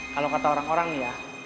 kalau kata orang orang ya